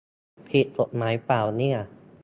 ผิดกฎหมายป่าวเนี่ย